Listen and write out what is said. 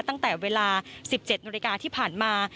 ตั้งแต่เวลา๑๗นที่ผ่านมา